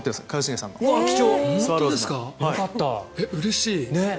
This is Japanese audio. うれしい。